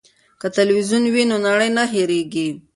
که تلویزیون وي نو نړۍ نه هیریږي.